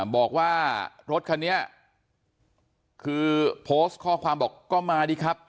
บอกว่ารถคันนี้คือโพสต์ข้อความบอกก็มาดีครับ